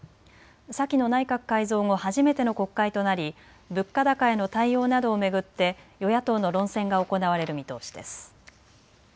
先の内閣改造後、初めての国会となり物価高への対応などを巡って与野党の論戦が行われる見通しです。